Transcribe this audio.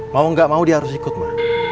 mau gak mau dia harus ikut mbak